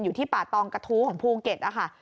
อยู่ที่ป่าตองกระทู้ของภูเก็ตนะคะ